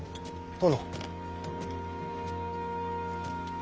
殿。